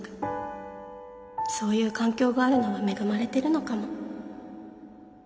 そういう環境があるのは恵まれてるのかも。